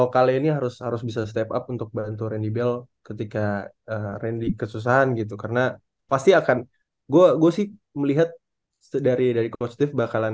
kalau gue sih itu